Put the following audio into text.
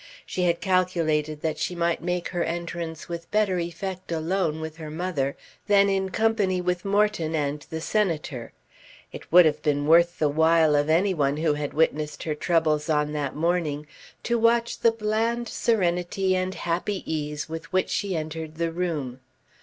She had calculated that she might make her entrance with better effect alone with her mother than in company with Morton and the Senator. It would have been worth the while of any one who had witnessed her troubles on that morning to watch the bland serenity and happy ease with which she entered the room.